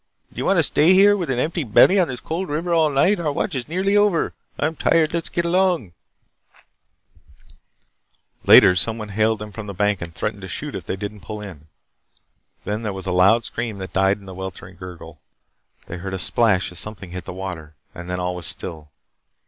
Do you want to stay here with an empty belly on this cold river all night? Our watch is nearly over. I'm tired. Let's get along " Later, some one hailed them from the bank and threatened to shoot if they did not pull in. Then there was a loud scream that died in a weltering gurgle. They heard a splash as something hit the water and then all was still.